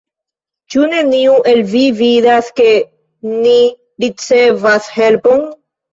Ĉu neniu el vi vidas, ke ni ricevas helpon?